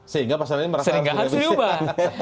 sehingga pasalnya merasa harus diubah